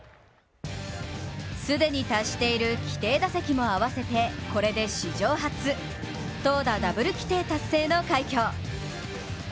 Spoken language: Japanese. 既に達成している規定打席も合わせてこれで史上初投打ダブル規定の快挙。